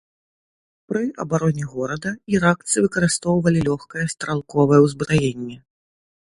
Пры абароне горада іракцы выкарыстоўвалі лёгкае стралковае ўзбраенне.